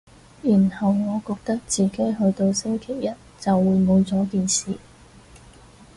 然後我覺得自己去到星期一就會冇咗件事